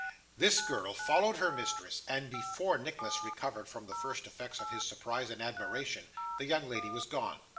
This girl followed her mistress; and, before Nicholas had recovered from the first effects of his surprise and admiration, the young lady was gone.